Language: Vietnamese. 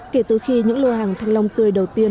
kể từ khi những lô hàng thanh long tươi đầu tiên